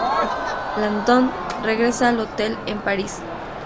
Langdon regresa al hotel en París.